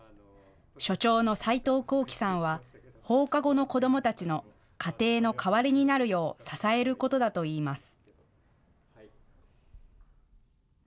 所長の齊藤功気さんは放課後の子どもたちの家庭の代わりになるよう支えることだといいます。